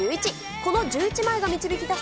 この１１枚が導き出す